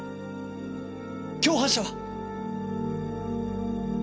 共犯者は？